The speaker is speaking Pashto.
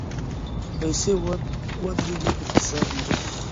که پیسې ودریږي اقتصاد مري.